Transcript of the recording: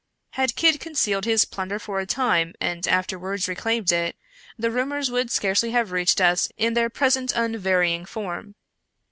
Had Kidd concealed his plunder for a time, and afterwards reclaimed it, the rumors would scarcely have reached us in their present unvarying form.